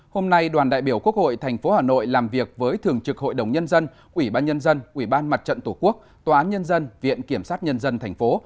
hôm nay đoàn đại biểu quốc hội tp hà nội làm việc với thường trực hội đồng nhân dân ủy ban nhân dân ủy ban mặt trận tổ quốc tòa án nhân dân viện kiểm sát nhân dân thành phố